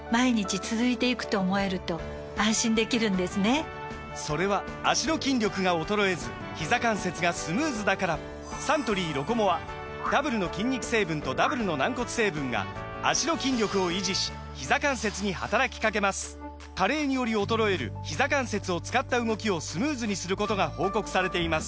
サントリー「ロコモア」・それは脚の筋力が衰えずひざ関節がスムーズだからサントリー「ロコモア」ダブルの筋肉成分とダブルの軟骨成分が脚の筋力を維持しひざ関節に働きかけます加齢により衰えるひざ関節を使った動きをスムーズにすることが報告されています